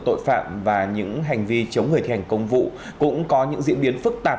tội phạm và những hành vi chống người thi hành công vụ cũng có những diễn biến phức tạp